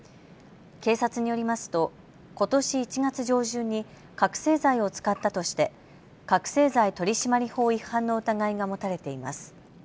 警察によりますとことし１月上旬に覚醒剤を使ったとして覚醒剤取締法違反の疑いが持たれています。